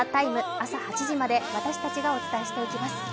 朝８時まで私たちがお伝えしていきます。